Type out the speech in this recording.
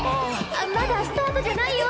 まだスタートじゃないよ！